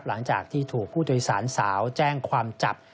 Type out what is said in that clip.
หลังจากที่ถูกผู้โดยสารสาวแจ้งความจับ